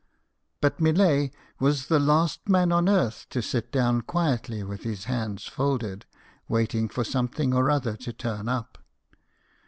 But Millet was the last man on earth to sit down quietly with his hands folded, waiting for something or other to turn up.